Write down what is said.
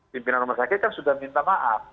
pimpinan rumah sakit kan sudah minta maaf